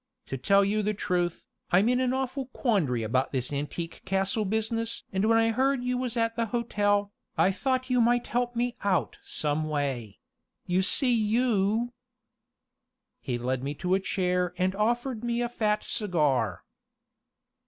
To tell you the truth, I'm in an awful quandary about this Antique Castle business and when I heard you was at the hotel, I thought you might help me out some way. You see you " He led me to a chair and offered me a fat cigar.